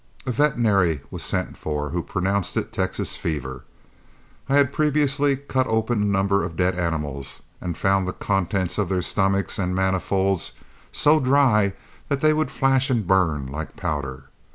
A veterinary was sent for, who pronounced it Texas fever. I had previously cut open a number of dead animals, and found the contents of their stomachs and manifolds so dry that they would flash and burn like powder.